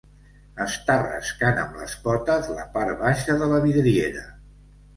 Està rascant amb les potes la part baixa de la vidriera.